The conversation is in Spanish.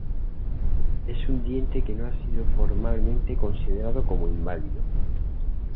Es un diente que no ha sido formalmente considerado como inválido.